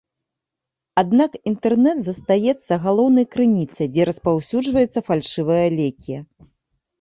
Аднак інтэрнэт застаецца галоўнай крыніцай, дзе распаўсюджваюцца фальшывыя лекі.